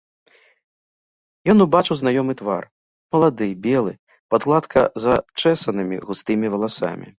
Ён убачыў знаёмы твар, малады, белы, пад гладка зачэсанымі густымі валасамі.